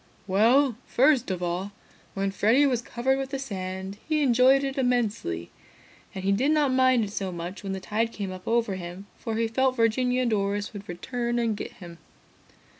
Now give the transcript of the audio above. "Well, first of all, when Freddy was covered with the sand, he enjoyed it immensely. And he did not mind it so much when the tide came up over him, for he felt Virginia and Doris would return and get him.